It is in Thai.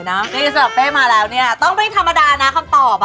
นี่สำหรับเป้มาแล้วเนี่ยต้องไม่ธรรมดานะคำตอบ